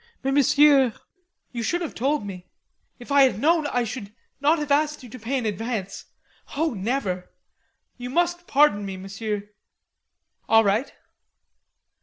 "Mais, Monsieur. You should have told me. If I had known I should not have asked you to pay in advance. Oh, never. You must pardon me, Monsieur." "All right."